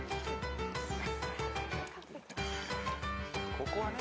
ここはね。